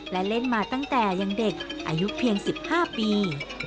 และเล่นมาตั้งแต่ยังเด็กอายุเพียง๑๕ปี